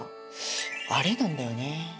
アレなんだよね。